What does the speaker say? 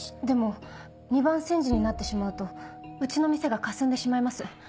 でも二番煎じになってしまうとうちの店がかすんでしまいます